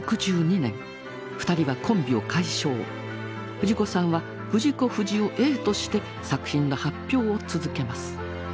藤子さんは「藤子不二雄」として作品の発表を続けます。